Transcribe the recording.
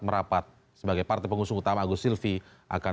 mas roy selamat malam